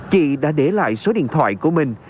chị đã để lại số điện thoại của mình